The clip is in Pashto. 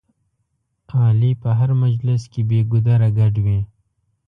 علي په هر مجلس کې بې ګودره ګډ وي.